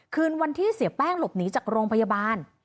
คืนวันที่เสียแป้งหลบหนีจากโรงพยาบาล